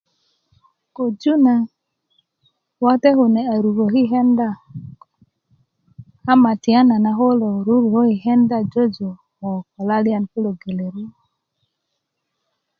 köju na wate kune a ruköki kenda ama tiyanana ko kulo rurukäki kenda jojo ko laliyan kulo gelere